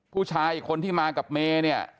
ผู้ชายอีกคนที่มากับเมย์เนี่ย